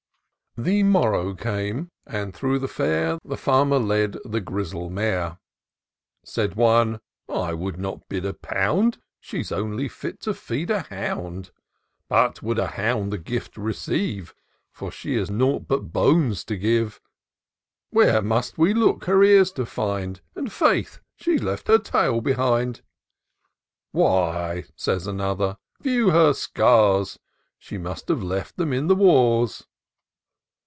The morrow came, and through the feir The Farmer led the grizzle mare. Says one, " I would not bid a pound : She's only fit to feed a hound ; But would a hound the gift receive. For she has nought but bones to give ? Where must we look, her ears to find ? And faith, she's left her tail behind !"" Why," says another, " view her scars : She must have left them in the wars."